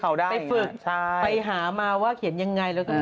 ไปฝึกไปหาันนะว่าเขียนยังไง